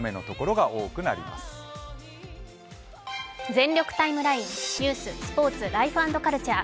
「全力ＴＩＭＥライン」ニュース、天気、スポーツ、ライフ＆カルチャー